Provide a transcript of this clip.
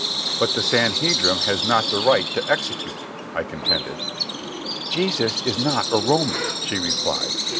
"But the Sanhedrim has not the right to execute," I contended. "Jesus is not a Roman," she replied.